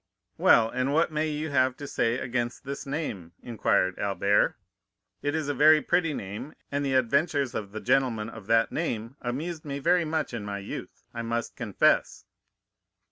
"Well, and what may you have to say against this name?" inquired Albert; "it is a very pretty name, and the adventures of the gentleman of that name amused me very much in my youth, I must confess."